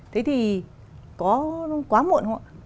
thế thì có quá muộn không ạ